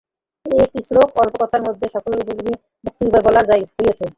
এই একটি শ্লোকে অল্প কথার মধ্যে সকলের উপযোগী মুক্তির উপায় বলা হইয়াছে।